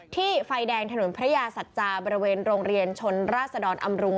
ไฟแดงถนนพระยาสัจจาบริเวณโรงเรียนชนราศดรอำรุง